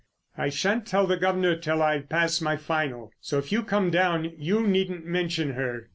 "I shan't tell the guv'nor until I've passed my final, so if you come down you needn't mention her."